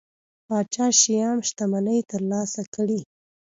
پاچا شیام شتمنۍ ترلاسه کړي.